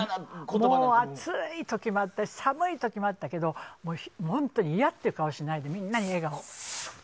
暑い時もあったし寒い時もあったけど嫌っていう顔をしないでみんなに笑顔。